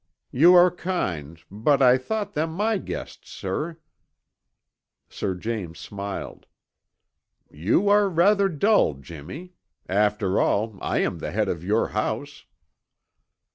"You are kind, but I thought them my guests, sir!" Sir James smiled. "You are rather dull, Jimmy. After all, I am the head of your house."